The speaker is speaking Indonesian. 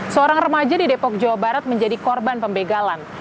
seorang remaja di depok jawa barat menjadi korban pembegalan